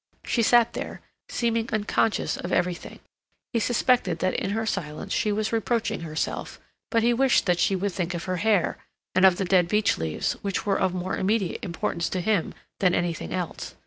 She sat there, seeming unconscious of everything. He suspected that in her silence she was reproaching herself; but he wished that she would think of her hair and of the dead beech leaves, which were of more immediate importance to him than anything else.